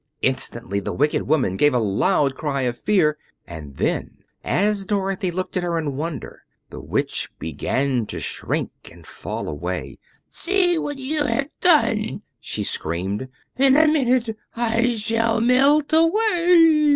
Instantly the wicked woman gave a loud cry of fear, and then, as Dorothy looked at her in wonder, the Witch began to shrink and fall away. "See what you have done!" she screamed. "In a minute I shall melt away."